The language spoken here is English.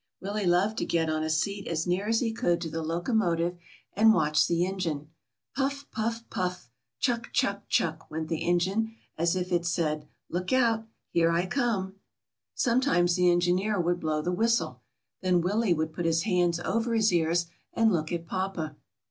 Willie loved to get on a seat as near as he could to the locomotive and watch the engine. 'Tuff, puff, puff, chuck, chuck, chuck," went the engine, as if it said: "Look out, here I come!" WILLIE'S VISIT TO THE SEASHORE. 175 Sometimes the engineer would blow the whistle. Then Willie would put his hands over his ears and look at papa.